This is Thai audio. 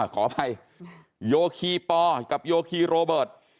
ขออภัยโยคีปอกับโยคีโรเบิร์ต